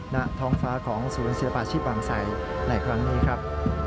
ณท้องฟ้าของศูนย์ศิลปาชีพบางไสในครั้งนี้ครับ